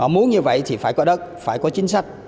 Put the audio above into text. muốn như vậy thì phải có đất phải có chính sách